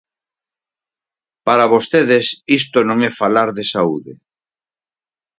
Para vostedes isto non é falar de saúde.